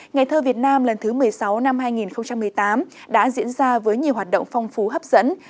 ngày thơ việt nam lần thứ một mươi sáu năm hai nghìn một mươi tám đã diễn ra với nhiều hoạt động phong phú hấp dẫn